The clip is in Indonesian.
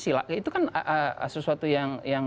sila itu kan sesuatu yang